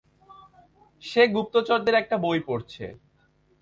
সে গুপ্তচরদের একটা বই পড়ছে।